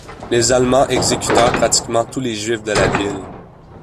Les Allemands exécutèrent pratiquement tous les Juifs de la ville.